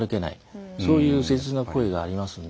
そういう切実な声がありますので。